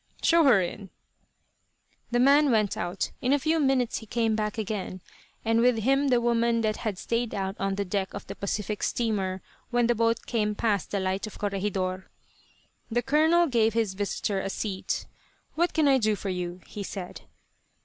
"Show her in." The man went out. In a few minutes he came back again, and with him the woman that had stayed out on the deck of the Pacific steamer when the boat came past the light of Corregidor. The Colonel gave his visitor a seat. "What can I do for you?" he said.